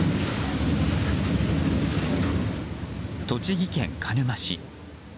栃木県鹿沼市。